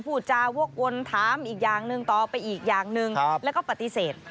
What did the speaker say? พูดจาวกวนถามอีกอย่างหนึ่งต่อไปอีกอย่างหนึ่งแล้วก็ปฏิเสธ